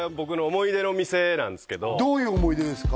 これはどういう思い出ですか？